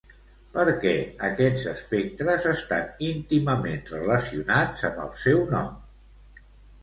Per què aquests espectres estan íntimament relacionats amb el seu nom?